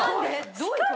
どういう事？